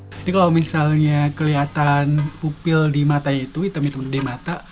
jadi kalau misalnya kelihatan pupil di matanya itu hitam hitam di mata